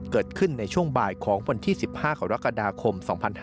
เกิดขึ้นในช่วงบ่ายของวันที่๑๕กรกฎาคม๒๕๕๙